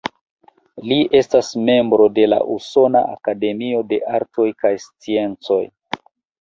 Li estas membro de la Usona Akademio de Artoj kaj Sciencoj.